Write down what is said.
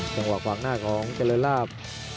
ต่างหวังฝั่งหน้าของเจริญลาภ